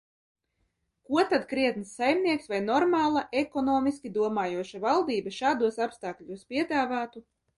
Ko tad krietns saimnieks vai normāla ekonomiski domājoša valdība šādos apstākļos piedāvātu?